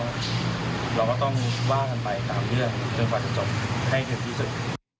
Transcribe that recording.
เราก็ต้องว่ากันไปตามเรื่องจนกว่าจะจบให้ถึงที่สุด